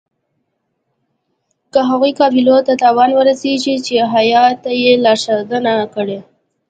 که هغو قبایلو ته تاوان ورسیږي چې هیات ته یې لارښودنه کړې.